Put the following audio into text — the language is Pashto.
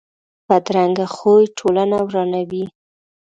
بدرنګه خوی ټولنه ورانوي